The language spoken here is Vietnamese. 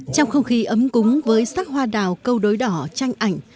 trong không khí ấm cúng với sắc hoa đào câu đối đỏ tranh ảnh